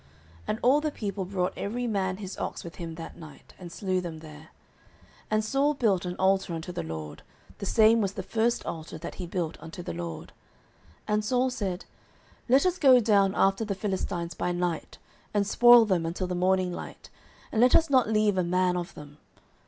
And all the people brought every man his ox with him that night, and slew them there. 09:014:035 And Saul built an altar unto the LORD: the same was the first altar that he built unto the LORD. 09:014:036 And Saul said, Let us go down after the Philistines by night, and spoil them until the morning light, and let us not leave a man of them.